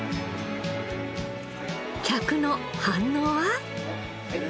客の反応は？へえ！